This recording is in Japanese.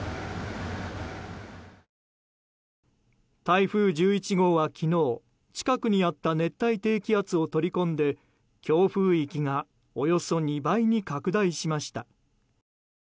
台風１１号は昨日近くにあった熱帯低気圧を取り込んで強風域がおよそ２倍に拡大しました。